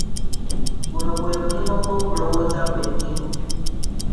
Guno gwe mulimo gw'okulowooza kwennyini.